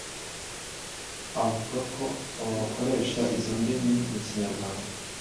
Avuga ko abo bakoresha izo ndimi mu Kinyarwanda